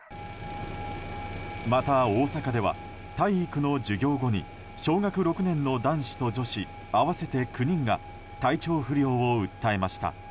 また、大阪では体育の授業後に小学６年の男子と女子合わせて９人が体調不良を訴えました。